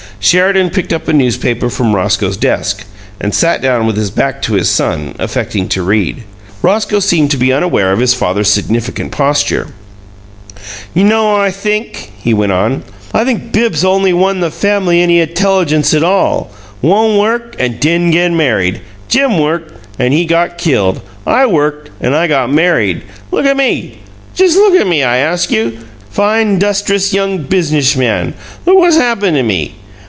Sheridan picked up a newspaper from Roscoe's desk, and sat down with his back to his son, affecting to read. Roscoe seemed to be unaware of his father's significant posture. "You know wh' I think?" he went on. "I think Bibbs only one the fam'ly any 'telligence at all. Won' work, an' di'n' get married. Jim worked, an' he got killed. I worked, an' I got married. Look at me! Jus' look at me, I ask you. Fine 'dustriss young business man. Look whass happen' to me!